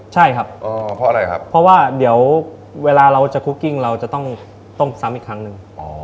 ใช่ครับเพราะอะไรครับเพราะว่าเดี๋ยวเวลาเราจะคุกกิ้งเราจะต้องต้มซ้ำอีกครั้งหนึ่ง